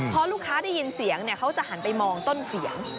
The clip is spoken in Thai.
พอลูกค้าได้ยินเสียงเขาจะหันไปมองต้นเสียง